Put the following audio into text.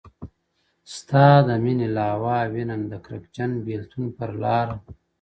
• ستا د ميني لاوا وينم؛ د کرکجن بېلتون پر لاره؛